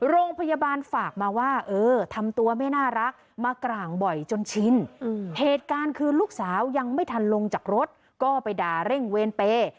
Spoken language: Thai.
โรงพยาบาลฝากมาว่าเออทำตัวไม่น่ารักมากร่างบ่อยจนชินเหตุการณ์คือลูกสาวยังไม่ทันลงจากรถก็ไปด่าเร่งเวรเปย์